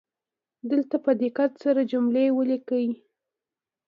دلته په دقت سره جملې ولیکئ